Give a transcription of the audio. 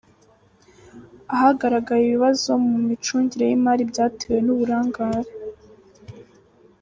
Ahagaragaye ibibazo mu micungire y’imari byatewe n’uburangare